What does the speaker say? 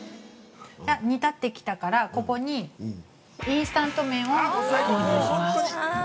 ◆煮立ってきたから、ここにインスタント麺を投入します。